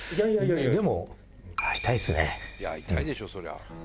会いたいでしょ、そりゃ。